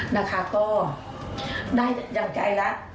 นะคะได้จันทร์ใจแล้ว